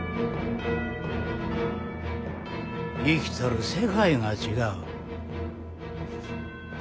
生きとる世界が違う。